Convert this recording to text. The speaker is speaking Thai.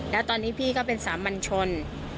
แล้วตอนนี้พี่ก็เป็นสามัญชน